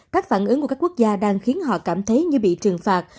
các phản ứng của các quốc gia đang khiến họ cảm thấy như bị trừng phạt